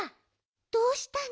どうしたの？